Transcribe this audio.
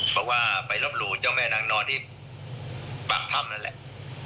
เพราะว่าไปลบหลู่เจ้าแม่นางนอนที่ปากถ้ำนั่นแหละ